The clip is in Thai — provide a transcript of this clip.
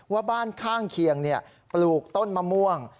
ว่าบ้านข้างเคียงปลูกต้นมะม่วง